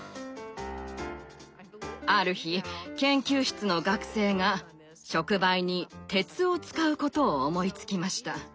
ある日研究室の学生が触媒に鉄を使うことを思いつきました。